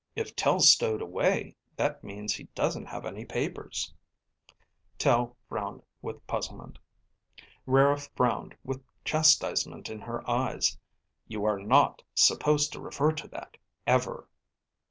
If Tel stowed away, that means he doesn't have any papers." Tel frowned with puzzlement. Rara frowned with chastisement in her eyes. "You are not supposed to refer to that, ever."